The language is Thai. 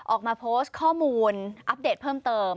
ออกมาโพสต์ข้อมูลอัปเดตเพิ่มเติม